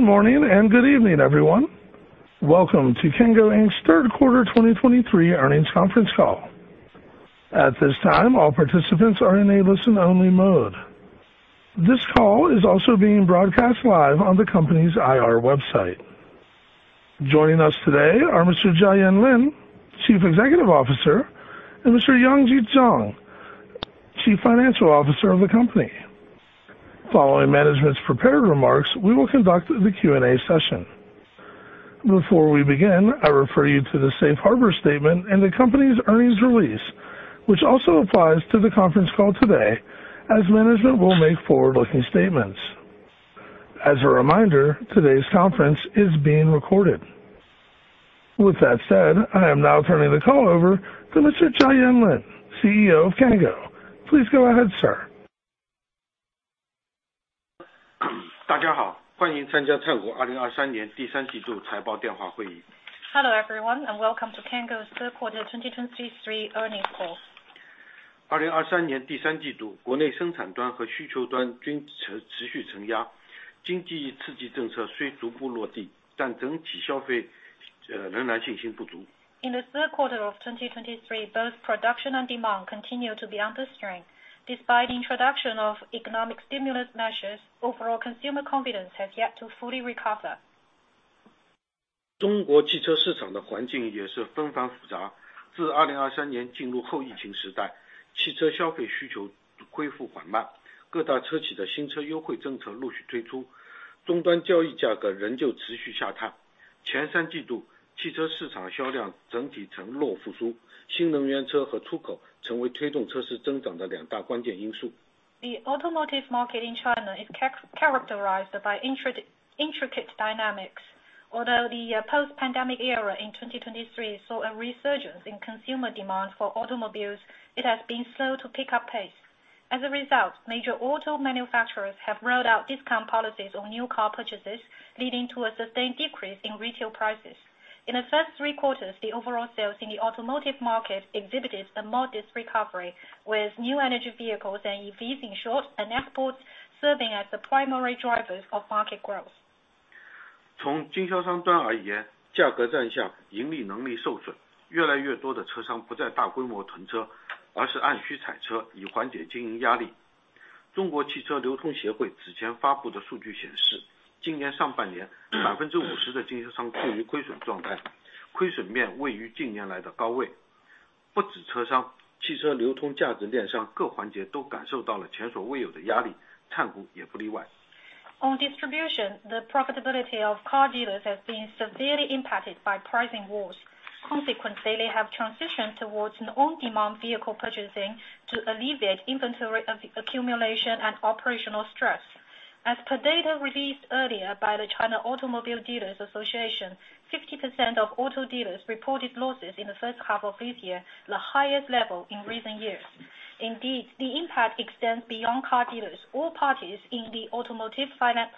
Good morning and good evening, everyone. Welcome to Cango Inc.'s third quarter 2023 earnings conference call. At this time, all participants are in listen-only mode. This call is also being broadcast live on the company's IR website. Joining us today are Mr. Jiayuan Lin, Chief Executive Officer, and Mr. Yongyi Zhang, Chief Financial Officer of the company. Following management's prepared remarks, we will conduct the Q and A session. Before we begin, I refer you to the Safe Harbor statement in the company's earnings release, which also applies to the conference call today as management will make forward-looking statements. As a reminder, today's conference is being recorded. With that said, I am now turning the call over to Mr. Jiayuan Lin, CEO of Cango. Please go ahead, sir. Hello, everyone, and welcome to Cango's third quarter 2023 earnings call. In the third quarter of 2023, both production and demand continued to be under strain. Despite the introduction of economic stimulus measures, overall consumer confidence has yet to fully recover. The automotive market in China is characterized by intricate dynamics. Although the post-pandemic era in 2023 saw a resurgence in consumer demand for automobiles, it has been slow to pick up pace. As a result, major auto manufacturers have rolled out discount policies on new car purchases, leading to a sustained decrease in retail prices. In the first three quarters, the overall sales in the automotive market exhibited a modest recovery, with new energy vehicles and EVs in short, and exports serving as the primary drivers of market growth. On distribution, the profitability of car dealers has been severely impacted by pricing wars. Consequently, they have transitioned towards an on-demand vehicle purchasing to alleviate inventory accumulation and operational stress. As per data released earlier by the China Automobile Dealers Association, 50% of auto dealers reported losses in the first half of this year, the highest level in recent years. Indeed, the impact extends beyond car dealers. All parties in the automotive finance,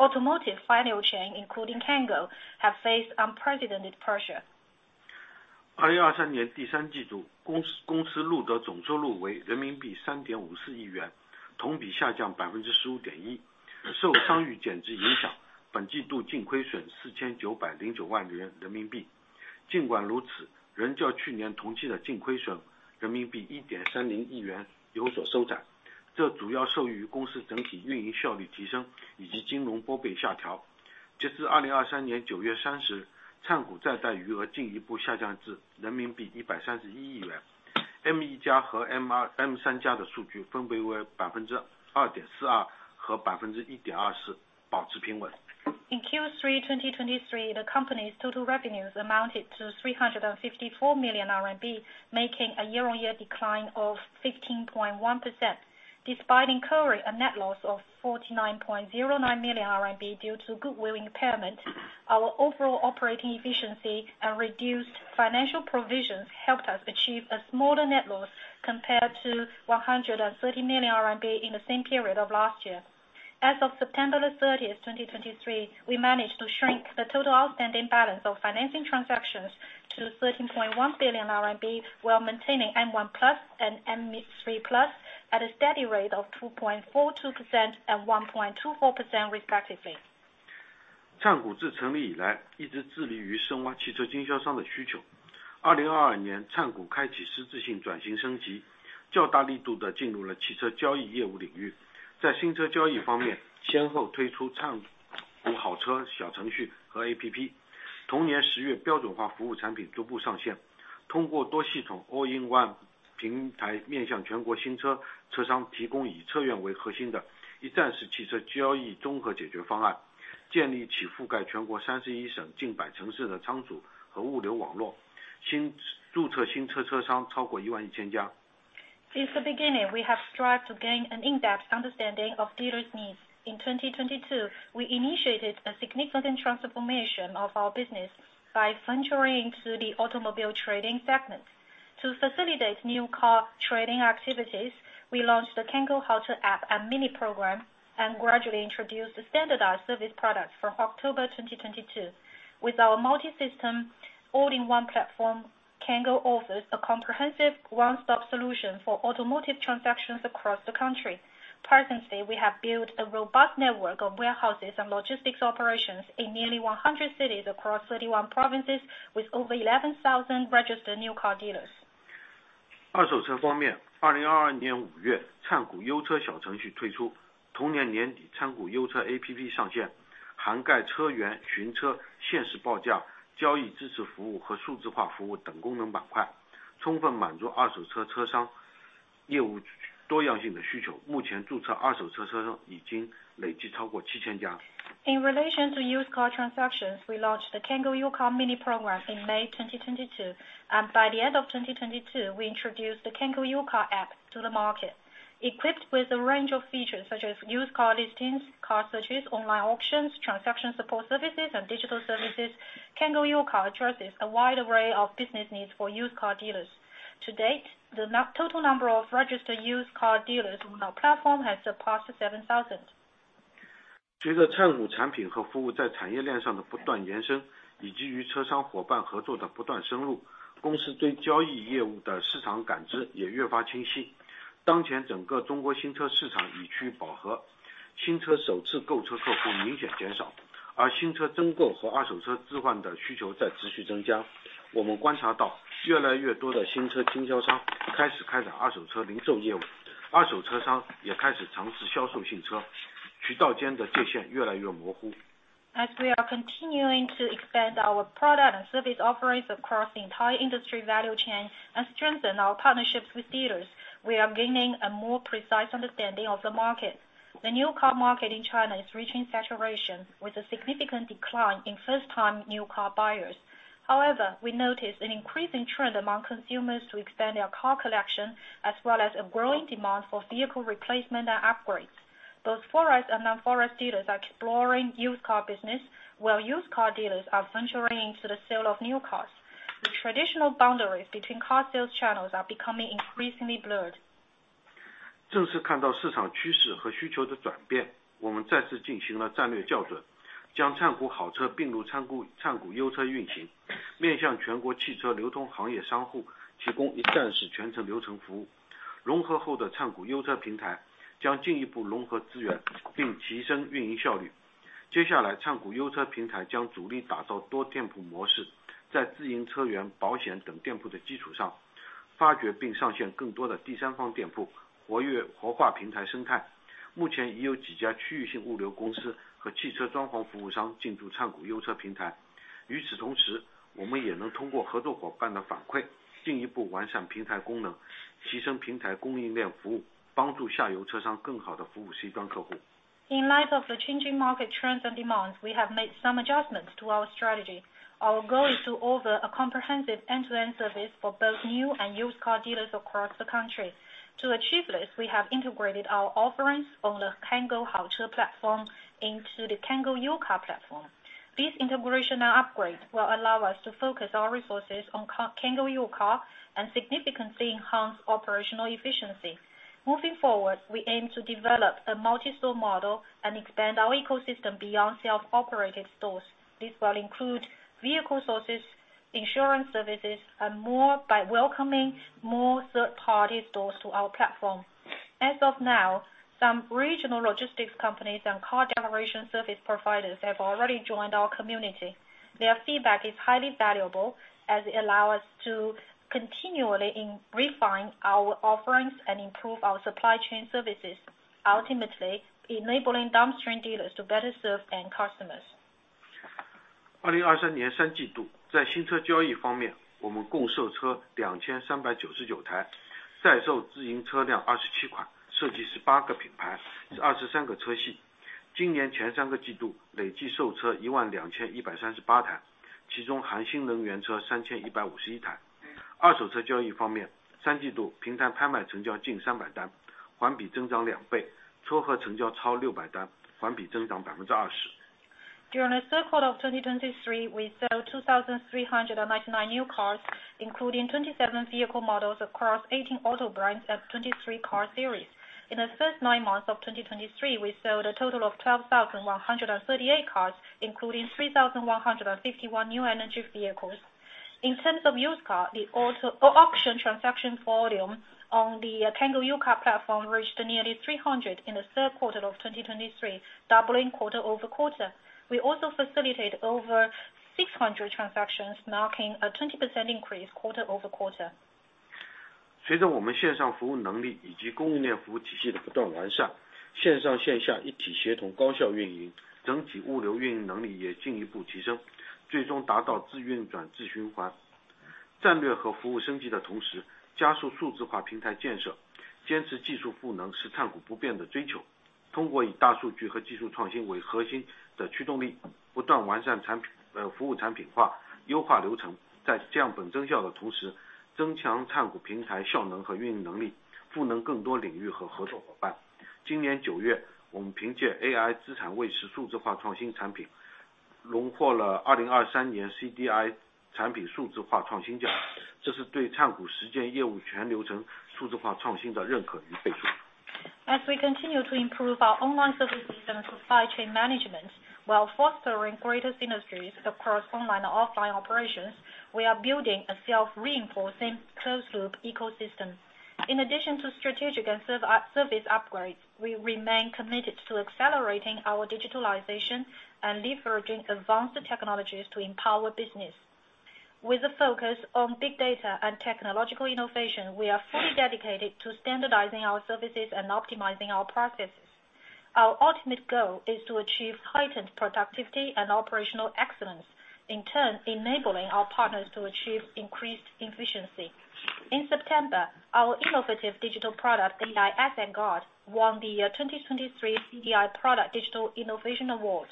automotive financial chain, including Cango, have faced unprecedented pressure. In Q3 2023, the company's total revenues amounted to 354 million RMB, making a year-on-year decline of 15.1%. Despite incurring a net loss of 49.09 million RMB due to goodwill impairment, our overall operating efficiency and reduced financial provisions helped us achieve a smaller net loss compared to 130 million RMB in the same period of last year. As of September 30, 2023, we managed to shrink the total outstanding balance of financing transactions to 13.1 billion RMB, while maintaining M1+ and M3+ at a steady rate of 2.42% and 1.24% respectively. Since the beginning, we have strived to gain an in-depth understanding of dealers' needs. In 2022, we initiated a significant transformation of our business by venturing into the automobile trading segment. To facilitate new car trading activities, we launched the Cango Haoche app and mini program, and gradually introduced the standardized service products from October 2022. With our multi-system, all-in-one platform, Cango offers a comprehensive one-stop solution for automotive transactions across the country. Presently, we have built a robust network of warehouses and logistics operations in nearly 100 cities across 31 provinces, with over 11,000 registered new car dealers. 二手车方面，2022年5月，灿谷优车小程序推出，同年底，灿谷优车APP上线，涵盖车源、寻车、限时报价、交易支持服务和数字化服务等功能板块，充分满足二手车车商业务多样性的需求。目前，注册二手车车商已经累计超过7,000家。In relation to used car transactions, we launched the Cango U-Car mini program in May 2022, and by the end of 2022, we introduced the Cango U-Car app to the market. Equipped with a range of features such as used car listings, car searches, online auctions, transaction support services, and digital services, Cango U-Car addresses a wide array of business needs for used car dealers. To date, the total number of registered used car dealers on our platform has surpassed 7,000. 随着灿谷产品和服务的产业链上的不断延伸，以及与车商伙伴合作的不斷深入，公司对交易业务的市场感知也越发清晰。目前，整个中国新车市场已趋饱和，新车首次购车客户明显减少，而新车增购和二手车置换的需求在持续增加。我们观察到，越来越多的新车经销商开始开展二手车零售业务，二手车商也开始尝试销售新车，渠道间的界限越来越模糊。As we are continuing to expand our product and service offerings across the entire industry value chain and strengthen our partnerships with dealers, we are gaining a more precise understanding of the market. The new car market in China is reaching saturation, with a significant decline in first-time new car buyers. However, we notice an increasing trend among consumers to expand their car collection, as well as a growing demand for vehicle replacement and upgrades. Both 4S and non-4S dealers are exploring used car business, while used car dealers are venturing into the sale of new cars. The traditional boundaries between car sales channels are becoming increasingly blurred. 正是看到市场趋势和需求的变化，我们再次进行了战略调整，将灿谷好车并入灿谷，灿谷优车运行，面向全国汽车流通行业商户，提供一站式全程流程服务。融合后的灿谷优车平台将进一步融合资源，并提升运营效率。接下来，灿谷优车平台将主力打造多店铺模式，在自营车源、保险等店铺的基础上，挖掘并上线更多的第三方店铺，活跃，活化平台生态。目前已有几家区域性物流公司和汽车装潢服务商进驻灿谷优车平台。与此同时，我们也能通过合作伙伴的反馈，进一步完善平台功能，提升平台供应链服务，帮助下游车商更好地服务C端客户。In light of the changing market trends and demands, we have made some adjustments to our strategy. Our goal is to offer a comprehensive end-to-end service for both new and used car dealers across the country. To achieve this, we have integrated our offerings on the Cango Haoche platform into the Cango U-Car platform. This integration and upgrade will allow us to focus our resources on Cango U-Car, and significantly enhance operational efficiency. Moving forward, we aim to develop a multi-store model and expand our ecosystem beyond self-operated stores. This will include vehicle sources, insurance services, and more, by welcoming more third-party stores to our platform. As of now, some regional logistics companies and car decoration service providers have already joined our community. Their feedback is highly valuable as it allows us to continually refine our offerings and improve our supply chain services, ultimately enabling downstream dealers to better serve end customers. During the third quarter of 2023, we sold 2,399 new cars, including 27 vehicle models across 18 auto brands and 23 car series. In the first nine months of 2023, we sold a total of 12,138 cars, including 3,151 new energy vehicles. In terms of used car, the auto auction transaction volume on the Cango U-Car platform reached nearly 300 in the third quarter of 2023, doubling quarter-over-quarter. We also facilitated over 600 transactions, marking a 20% increase quarter-over-quarter. 随着我们线上服务能力以及供应链服务体系的不断完善，线上线下一体协同高效运营，整体物流运营能力也进一步提升，最终达到自运转自循环。战略和服务升级的同时，加速数字化平台建设，坚持技术赋能是灿谷不变的追求。通过以大数据和技术创新为核心的驱动力，不断完善产品... 服务产品化，优化流程，在降本增效的同时，增强灿谷平台效能和运营能力，赋能更多领域和合作伙伴。今年九月，我们凭借AI资产卫士数字化创新产品...荣获了2023年CDI产品数字化创新奖，这是对灿谷实践业务全流程数字化创新的认可与背书。As we continue to improve our online services and supply chain management, while fostering greater synergies across online and offline operations, we are building a self-reinforcing closed-loop ecosystem. In addition to strategic and service upgrades, we remain committed to accelerating our digitalization and leveraging advanced technologies to empower business. With a focus on big data and technological innovation, we are fully dedicated to standardizing our services and optimizing our processes. Our ultimate goal is to achieve heightened productivity and operational excellence, in turn, enabling our partners to achieve increased efficiency. In September, our innovative digital product, AI Asset Guard, won the 2023 CDI Product Digital Innovation Award.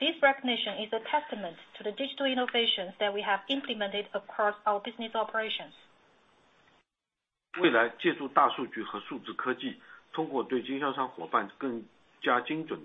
This recognition is a testament to the digital innovations that we have implemented across our business operations. 未来借助大数据和数字科技，通过对经销商伙伴更加精准的分类，灿谷将根据需求为他们推出有价值的产品和服务。同时，我们还将积极探索更多领域的机会，例如二手车出海业务等。我们相信，只有不断提升业务运营管理及盈利能力，增强核心竞争力，才能有持续的动力穿越当前的震荡周期。In the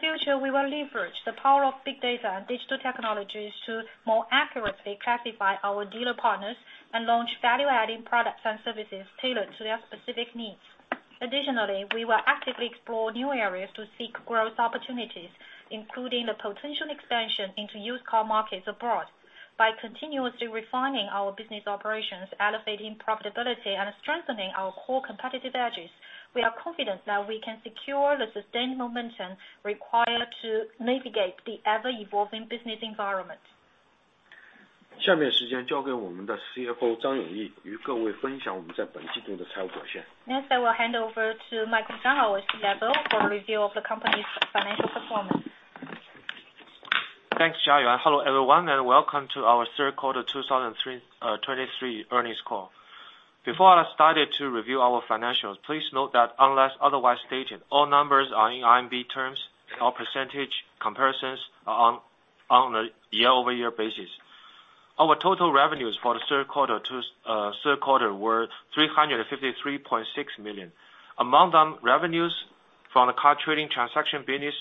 future, we will leverage the power of big data and digital technologies to more accurately classify our dealer partners and launch value-adding products and services tailored to their specific needs. Additionally, we will actively explore new areas to seek growth opportunities, including the potential expansion into used car markets abroad. By continuously refining our business operations, elevating profitability, and strengthening our core competitive edges, we are confident that we can secure the sustainable momentum required to navigate the ever-evolving business environment. 下面时间交给我们的CFO张永毅，与各位分享我们在本季度的财务表现。Next, I will hand over to Yongyi Zhang, our CFO, for a review of the company's financial performance. Thanks, Jiayuan. Hello, everyone, and welcome to our third quarter 2023 earnings call. Before I start to review our financials, please note that unless otherwise stated, all numbers are in RMB terms. All percentage comparisons are on a year-over-year basis. Our total revenues for the third quarter 2023 were 353.6 million. Among them, revenues from the car trading transaction business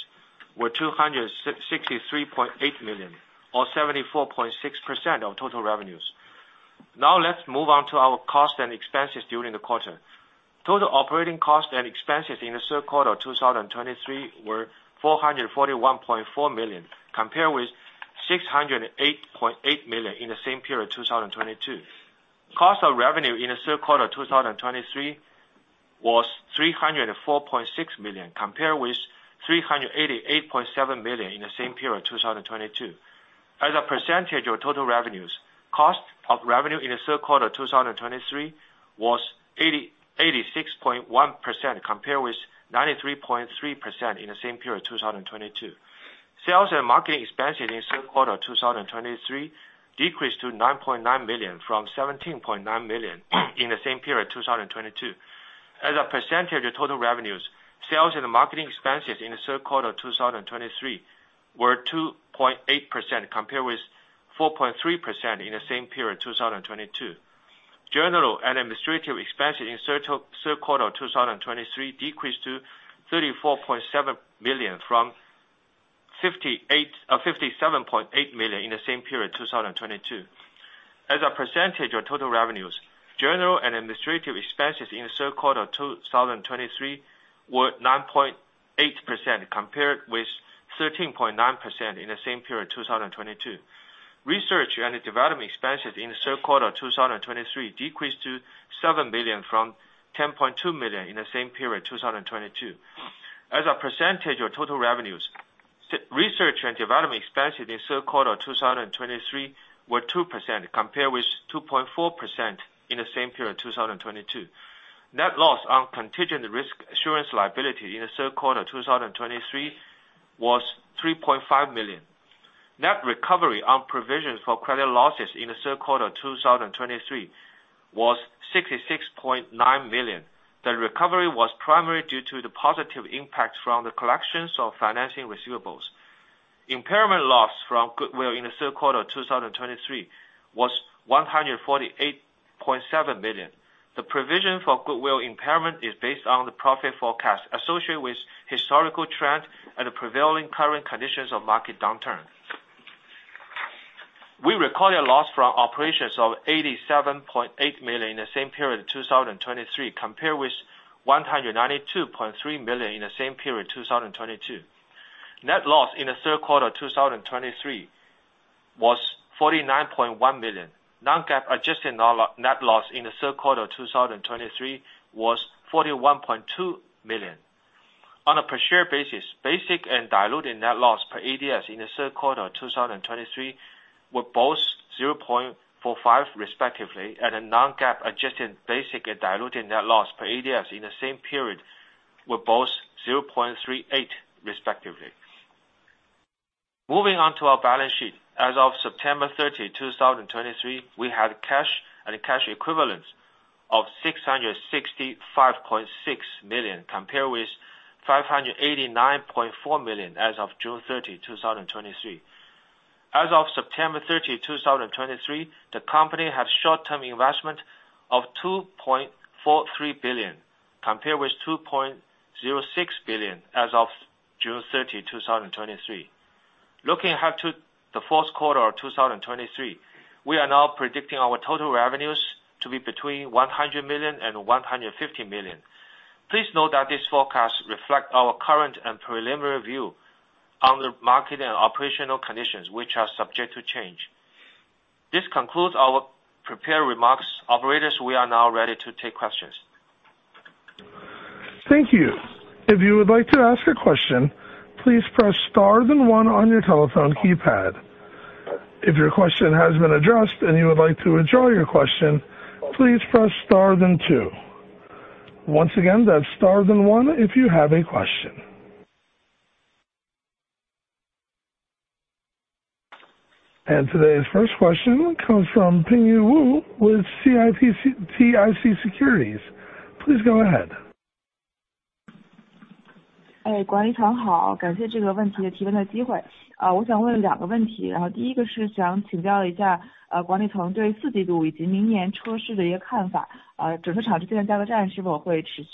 were 263.8 million, or 74.6% of total revenues. Now, let's move on to our costs and expenses during the quarter. Total operating costs and expenses in the third quarter 2023 were 441.4 million, compared with 608.8 million in the same period, 2022. Cost of revenue in the third quarter 2023 was 304.6 million, compared with 388.7 million in the same period, 2022. As a percentage of total revenues, cost of revenue in the third quarter 2023 was 86.1%, compared with 93.3% in the same period, 2022. Sales and marketing expenses in third quarter 2023 decreased to 9.9 million from 17.9 million in the same period, 2022. As a percentage of total revenues, sales and marketing expenses in the third quarter 2023 were 2.8%, compared with 4.3% in the same period, 2022. General and administrative expenses in the third quarter 2023 decreased to 34.7 million from 57.8 million in the same period, 2022. As a percentage of total revenues, general and administrative expenses in the third quarter 2023 were 9.8%, compared with 13.9% in the same period, 2022. Research and development expenses in the third quarter 2023 decreased to 7 million from 10.2 million in the same period, 2022. As a percentage of total revenues, research and development expenses in the third quarter 2023 were 2%, compared with 2.4% in the same period, 2022. Net loss on contingent risk insurance liability in the third quarter 2023 was 3.5 million. Net recovery on provisions for credit losses in the third quarter 2023 was 66.9 million. The recovery was primarily due to the positive impact from the collections of financing receivables. Impairment loss from goodwill in the third quarter 2023 was 148.7 million. The provision for goodwill impairment is based on the profit forecast associated with historical trends and the prevailing current conditions of market downturn. We recorded a loss from operations of 87.8 million in the same period, 2023, compared with 192.3 million in the same period, 2022. Net loss in the third quarter of 2023 was 49.1 million. Non-GAAP adjusted net loss in the third quarter of 2023 was 41.2 million. On a per share basis, basic and diluted net loss per ADS in the third quarter of 2023 were both 0.45 respectively, and a non-GAAP adjusted basic and diluted net loss per ADS in the same period were both 0.38 respectively. Moving on to our balance sheet. As of September 30, 2023, we had cash and cash equivalents of 665.6 million, compared with 589.4 million as of June 30, 2023. As of September 30, 2023, the company had short-term investment of 2.43 billion, compared with 2.06 billion as of June 30, 2023. Looking ahead to the fourth quarter of 2023, we are now predicting our total revenues to be between 100 million and 150 million. Please note that these forecasts reflect our current and preliminary view on the market and operational conditions, which are subject to change. This concludes our prepared remarks. Operators, we are now ready to take questions. Thank you. If you would like to ask a question, please press star then one on your telephone keypad. If your question has been addressed and you would like to withdraw your question, please press star then two. Once again, that's star then one if you have a question. Today's first question comes from Pingan Wu with CITIC Securities. Please go ahead. Management, hello. Thank you for the opportunity to ask this question. I want to ask two questions. The first is, I would like to ask, management's views on the fourth quarter and next year's car market. Will the price war between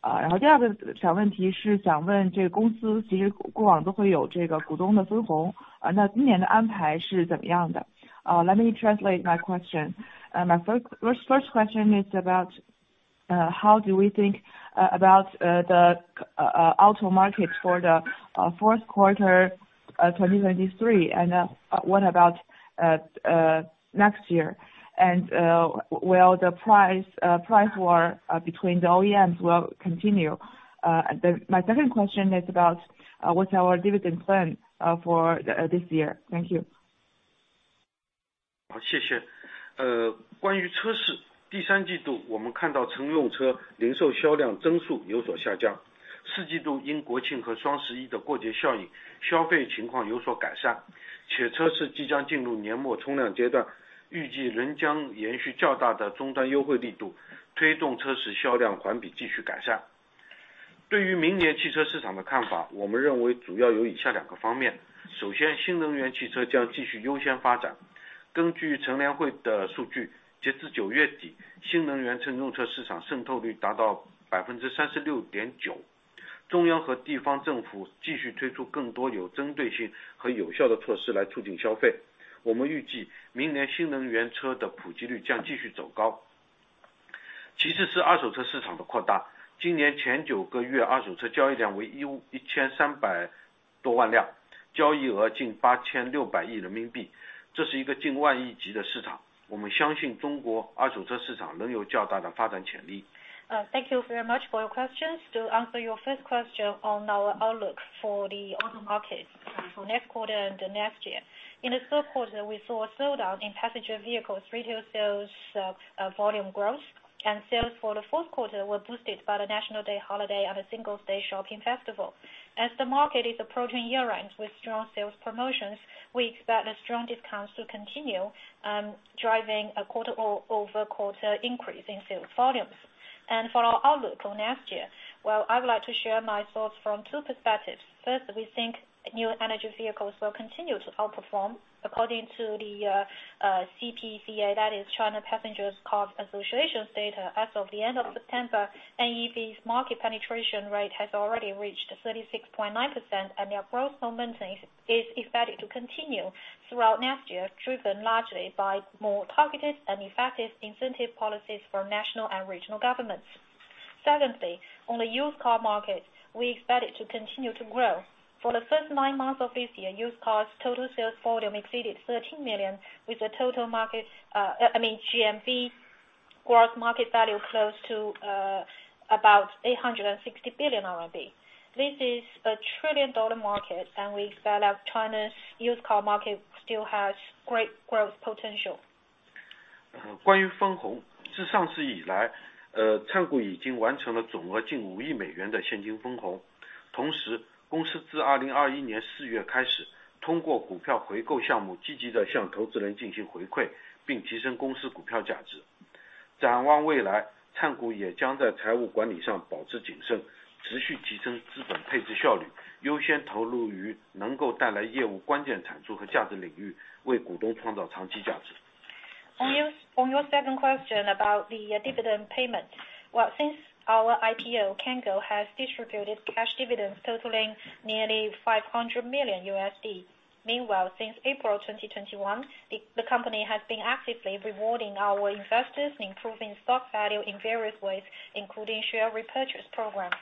dealers continue? And then the second question is, I want to ask the company, actually, in the past, there has been this dividend for shareholders. So what are the plans for this year? Let me translate my question. My first question is about how do we think about the auto market for the fourth quarter, 2023? And what about next year? And will the price price war between the OEMs will continue? My second question is about what's our dividend plan for this year? Thank you. 好, 谢谢。关于车市, 第三季度, 我们看到乘用车零售销量增速有所下降, 四季度因国庆和双十一的过节效应, 消费情况有所改善, 且车市即将进入年末冲量阶段, 预计仍将延续较大的终端优惠力度, 推动车市销量环比继续改善。对于明年汽车市场的看法, 我们认为主要有以下两个方面。首先, 新能源汽车将继续优先发展。根据乘联会的数据, 截至九月底, 新能源乘用车市场渗透率达到36.9%。中央和地方政府继续推出更多有针对性和有效的措施来促进消费。我们预计明年新能源汽车的普及率将继续走高。其次是二手车市场的扩大。今年前九个月, 二手车交易量为1,000-1,300多万辆, 交易额近CNY 860 billion, 这是一个近CNY 1 trillion级的市场, 我们相信中国二手车市场仍有较大的发展潜力。Thank you very much for your questions. To answer your first question on our outlook for the auto market for next quarter and the next year. In the third quarter, we saw a slowdown in passenger vehicles, retail sales, volume growth, and sales for the fourth quarter were boosted by the National Day holiday and the Singles' Day shopping festival. As the market is approaching year-end with strong sales promotions, we expect the strong discounts to continue, driving a quarter-over-quarter increase in sales volumes. For our outlook for next year, well, I would like to share my thoughts from two perspectives. First, we think new energy vehicles will continue to outperform. According to the CPCA, that is China Passenger Car Association's data, as of the end of September, NEV's market penetration rate has already reached 36.9%, and their growth momentum is expected to continue throughout next year, driven largely by more targeted and effective incentive policies from national and regional governments. Secondly, on the used car market, we expect it to continue to grow. For the first nine months of this year, used cars total sales volume exceeded 13 million, with a total market, I mean, GMV, gross market value, close to about 860 billion RMB. This is a $1 trillion market, and we expect that China's used car market still has great growth potential. 关于分红，自上市以来，灿谷已经完成了总额近5亿美元的现金分红。同时，公司自2021年4月开始，通过股票回购项目积极地向投资人进行回馈，并提升公司股票价值。展望未来，灿谷也将在财务管理上保持谨慎，持续提升资本配置效率，优先投入于能够带来业务关键产出和价值领域，为股东创造长期价值。On your, on your second question about the dividend payment. Well, since our IPO, Cango has distributed cash dividends totaling nearly $500 million. Meanwhile, since April 2021, the company has been actively rewarding our investors and improving stock value in various ways, including share repurchase program.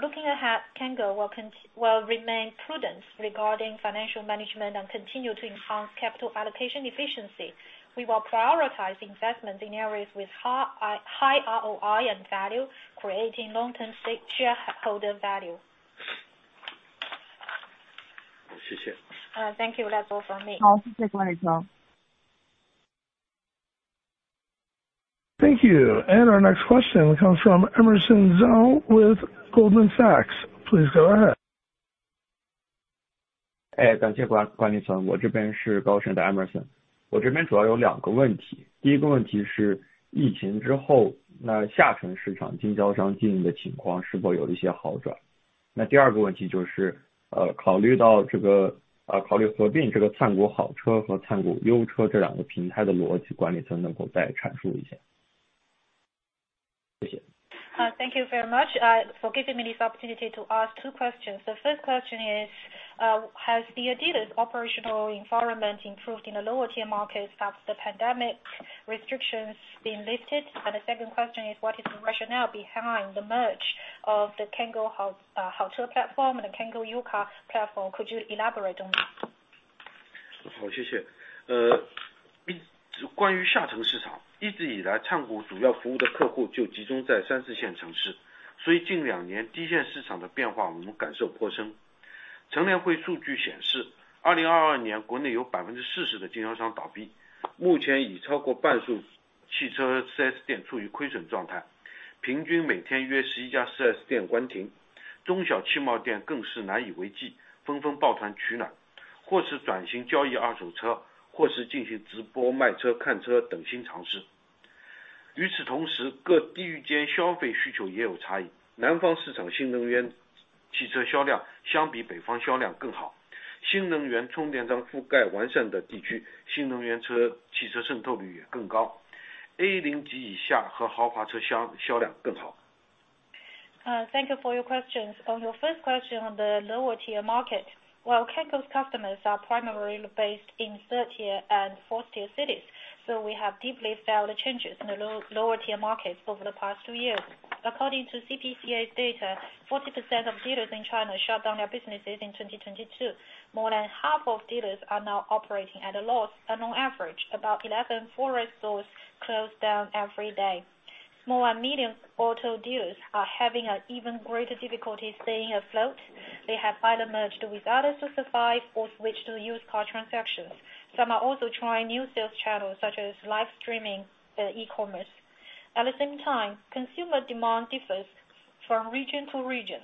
Looking ahead, Cango will remain prudent regarding financial management and continue to enhance capital allocation efficiency. We will prioritize investments in areas with high, high ROI and value, creating long-term stakeholder value. 谢谢。Thank you. That's all from me. 好，谢谢管理层。Thank you. Our next question comes from Emerson Zhao with Goldman Sachs. Please go ahead. Thank you, management. This is Emerson from Goldman Sachs. I mainly have two questions. The first question is: After the epidemic, has the operating situation of dealers in the lower-tier markets improved somewhat? The second question is, considering the logic of merging Cango Haoche and Cango U-Car, these two platforms, can management elaborate a bit more? Thank you. Thank you very much for giving me this opportunity to ask two questions. The first question is, has the dealers' operational environment improved in the lower tier markets as the pandemic restrictions being lifted? And the second question is: What is the rationale behind the merger of the Cango Haoche platform and the Cango U-Car platform? Could you elaborate on that? 好，谢谢。比... 关于下沉市场，一直以来，灿谷主要服务的客户就集中在三四线城市，所以近两年低线市场的变化我们感受颇深。乘联会数据显示，2022年国内有40%的经销商倒闭，目前已超过半数汽车4S店处于亏损状态，平均每天约11家4S店关停，中汽贸店更是难以为继，纷纷抱团取暖，或者转型交易二手车，或者进行直播卖车、看车等新尝试。与此同时，各地区间消费需求也有差异。南方市场新能源汽车销量相比北方销量更好，新能源汽车充电桩覆盖完善地区，新能源汽车渗透率也更高，A0级以下和豪华车销，销量更好。Thank you for your questions. On your first question on the lower tier market, while Cango's customers are primarily based in third- and fourth-tier cities, so we have deeply felt the changes in the lower-tier markets over the past two years. According to CADA's data, 40% of dealers in China shut down their businesses in 2022. More than half of dealers are now operating at a loss, and on average, about 11 4S stores close down every day. Small and medium auto dealers are having an even greater difficulty staying afloat. They have either merged with others to survive or switched to used car transactions. Some are also trying new sales channels, such as live streaming, e-commerce. At the same time, consumer demand differs from region to region.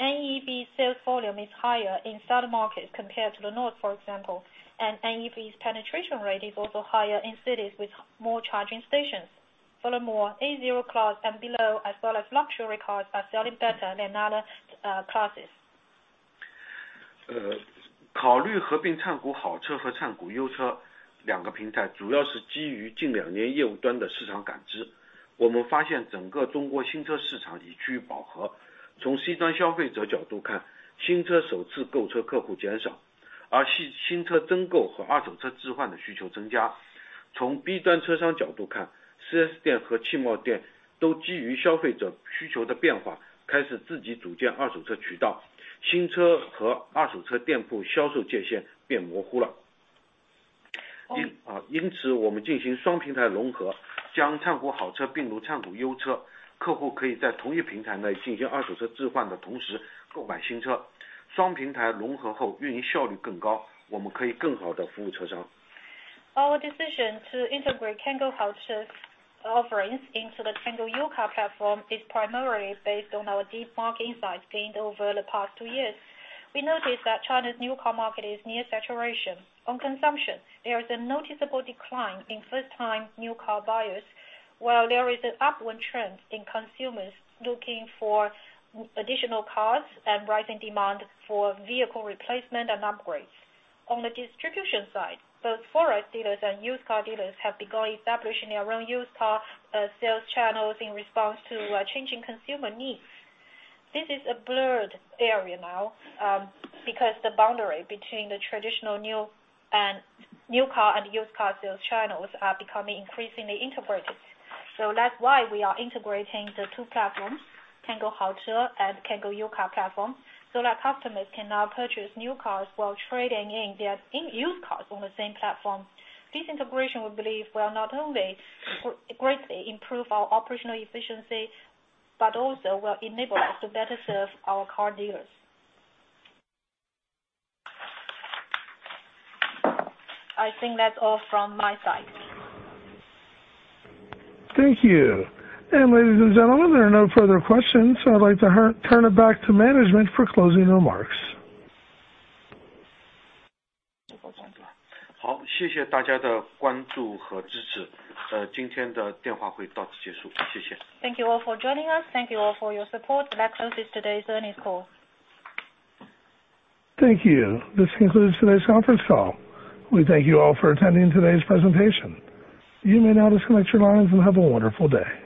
NEV sales volume is higher in southern markets compared to the north, for example, and NEV's penetration rate is also higher in cities with more charging stations. Furthermore, A0 class and below, as well as luxury cars, are selling better than other classes. Our decision to integrate Cango Haoche's offerings into the Cango U-Car platform is primarily based on our deep market insights gained over the past two years. We noticed that China's new car market is near saturation. On consumption, there is a noticeable decline in first-time new car buyers, while there is an upward trend in consumers looking for additional cars and rising demand for vehicle replacement and upgrades. On the distribution side, both 4S dealers and used car dealers have begun establishing their own used car sales channels in response to changing consumer needs. This is a blurred area now, because the boundary between the traditional new car and used car sales channels are becoming increasingly integrated. So that's why we are integrating the two platforms, Cango Haoche and Cango U-Car platform, so that customers can now purchase new cars while trading in their used cars on the same platform. This integration, we believe, will not only greatly improve our operational efficiency, but also will enable us to better serve our car dealers. I think that's all from my side. Thank you. Ladies and gentlemen, there are no further questions. So I'd like to hear, turn it back to management for closing remarks. 好，谢谢大家的关注和支持，今天的电话会到此结束。谢谢。Thank you all for joining us. Thank you all for your support. That closes today's earnings call. Thank you. This concludes today's conference call. We thank you all for attending today's presentation. You may now disconnect your lines and have a wonderful day.